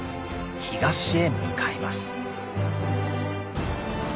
東へ向かいます。